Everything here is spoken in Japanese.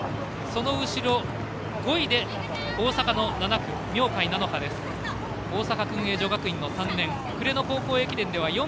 その後ろ、５位で大阪の７区明貝菜乃羽。